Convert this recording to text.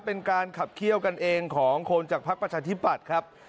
เป็นการขับเขี้ยวกันเองของคนจากพักประชาธิปัตย์ครับ